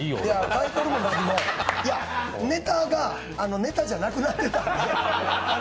買い取るも何もネタがネタでなくなってたんで。